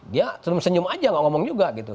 dia senyum senyum aja gak ngomong juga gitu